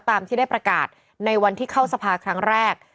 ตามที่ได้ประกาศในวันที่เข้าสภาครั้งแรก